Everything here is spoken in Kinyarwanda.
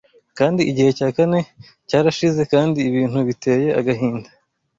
Kandi Igihe cya kane cyarashize Kandi ibintu biteye agahinda